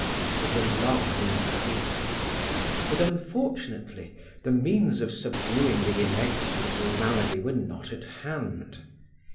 His alarm increased; but unfortunately the means of subduing the inexorable malady were not at hand.